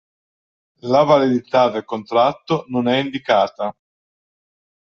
La validità del contratto non è indicata.